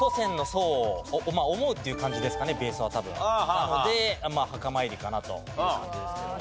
なので墓参りかなという感じですかね。